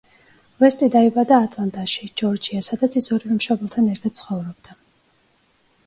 უესტი დაიბადა ატლანტაში, ჯორჯია, სადაც ის ორივე მშობელთან ერთად ცხოვრობდა.